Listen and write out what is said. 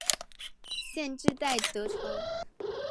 县治戴德城。